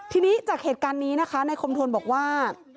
ทีนี้จากเหตุการณ์นี้นะคะในคมทนบอกว่า